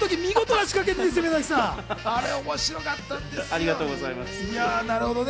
あれ面白かったんですよね。